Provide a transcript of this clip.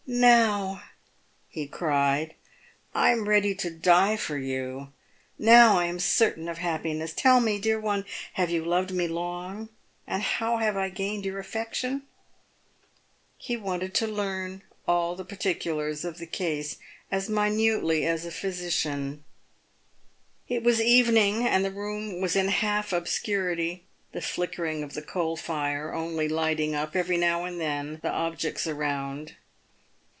" Now," he cried, " I am ready to die for you ! Now, I am certain of happi ness. Tell me, dear one, have you loved me long, and how have I gained your affection ?" He wanted to learn all the particulars of the case as minutely as a physician. It was evening, and the room was in half obscurity, the flickering of the coal fire only lighting up, every now and then, the objects around.